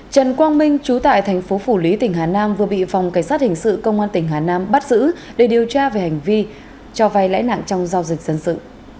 trần quang minh chú tại thành phố phủ lý tỉnh hà nam vừa bị phòng cảnh sát hình sự công an tỉnh hà nam bắt giữ để điều tra về hành vi cho vay lãi nặng trong giao dịch dân sự